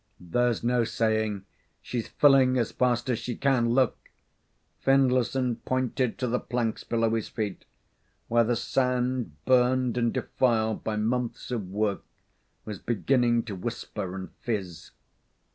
"There's no saying. She's filling as fast as she can. Look!" Findlayson pointed to the planks below his feet, where the sand, burned and defiled by months of work, was beginning to whisper and fizz.